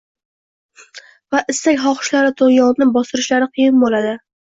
va istak-xohishlari tug‘yonini bostirishlari qiyin bo‘ladi.